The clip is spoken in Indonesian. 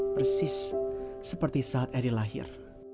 persis seperti saat eri lahir